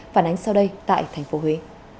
phản ánh sau đây tại tp huế